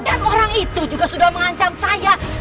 dan orang itu juga sudah mengancam saya